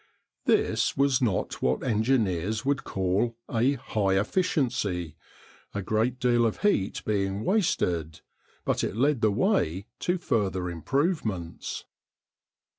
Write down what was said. This was not what engineers would call a "high efficiency," a great deal of heat being wasted, but it led the way to further improvements.